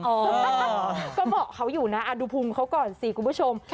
เออก็เหมาะเขาอยู่นะดูภูมิเขาก่อนสิคุณผู้ชม